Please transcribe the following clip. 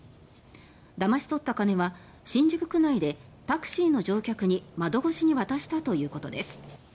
だまし取った金は新宿区内でタクシーの乗客に窓越しに渡したということです。